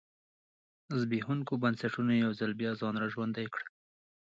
زبېښونکو بنسټونو یو ځل بیا ځان را ژوندی کړ.